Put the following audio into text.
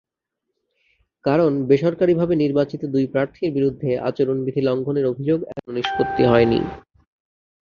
কারণ, বেসরকারিভাবে নির্বাচিত দুই প্রার্থীর বিরুদ্ধে আচরণবিধি লঙ্ঘনের অভিযোগ এখনো নিষ্পত্তি হয়নি।